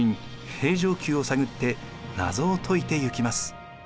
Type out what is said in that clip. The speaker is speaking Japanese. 平城宮を探って謎を解いていきます。